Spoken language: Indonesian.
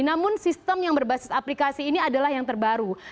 namun sistem yang berbasis aplikasi ini adalah yang terbaru